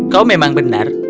kau memang benar